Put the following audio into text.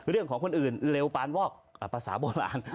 เรื่องของคนอื่นเร็วปานวอกภาษาโบราณ